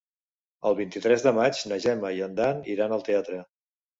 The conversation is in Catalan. El vint-i-tres de maig na Gemma i en Dan iran al teatre.